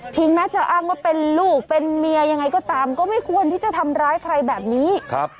แม้จะอ้างว่าเป็นลูกเป็นเมียยังไงก็ตามก็ไม่ควรที่จะทำร้ายใครแบบนี้ครับ